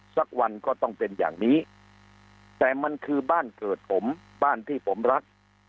สักวันก็ต้องเป็นอย่างนี้แต่มันคือบ้านเกิดผมบ้านที่ผมรัก